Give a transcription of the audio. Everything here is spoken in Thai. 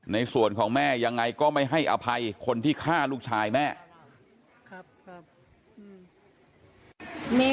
ในส่วนของแม่ยังไงก็ไม่ให้อภัยคนที่ฆ่าลูกชายแม่